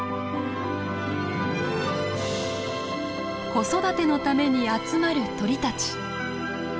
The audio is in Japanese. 子育てのために集まる鳥たち。